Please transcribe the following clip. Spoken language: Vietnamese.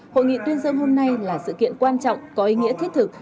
hội nghị tuyên dương hôm nay là sự kiện quan trọng có ý nghĩa thiết thực